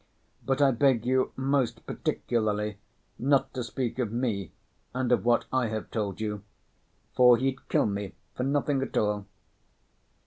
But I beg you most particularly not to speak of me and of what I have told you, for he'd kill me for nothing at all."